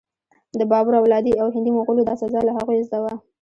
د بابر اولادې او هندي مغولو دا سزا له هغوی زده وه.